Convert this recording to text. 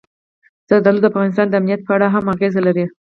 زردالو د افغانستان د امنیت په اړه هم اغېز لري.